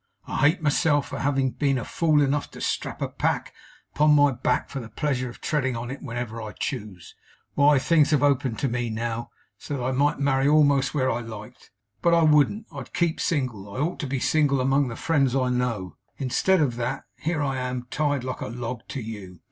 I hate myself, for having, been fool enough to strap a pack upon my back for the pleasure of treading on it whenever I choose. Why, things have opened to me, now, so that I might marry almost where I liked. But I wouldn't; I'd keep single. I ought to be single, among the friends I know. Instead of that, here I am, tied like a log to you.